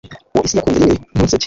Uwo isi yakunze rimwe ntunsebye